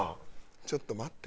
ちょっと待ってよ。